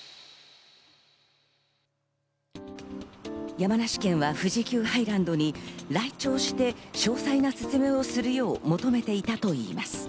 山梨県は富士急ハイランドに来庁して詳細な説明をするよう求めていたといいます。